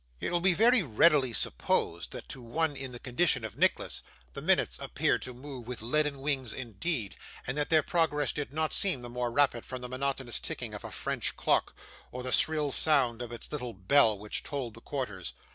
It will be very readily supposed that to one in the condition of Nicholas, the minutes appeared to move with leaden wings indeed, and that their progress did not seem the more rapid from the monotonous ticking of a French clock, or the shrill sound of its little bell which told the quarters.